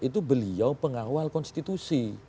itu beliau pengawal konstitusi